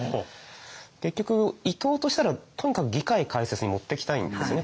結局伊藤としたらとにかく議会開設に持ってきたいんですね。